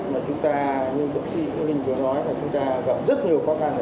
mà chúng ta như thậm chí nguyễn văn nói đã gặp rất nhiều khó khăn ở giai đoạn đầu